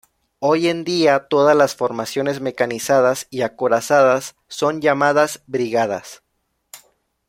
Hoy en día, todas las formaciones mecanizadas y acorazadas son llamadas brigadas.